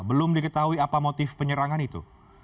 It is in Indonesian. belum diketahui apa motif penyerangan itu